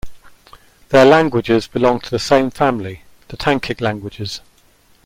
Their languages belong to the same family, the Tankic languages.